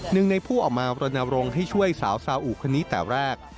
หนึ่งในผู้ออกมารณรงค์ให้ช่วยสาวซาอุคนนี้แต่แรก